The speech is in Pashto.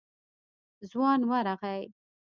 ځوان ورغی.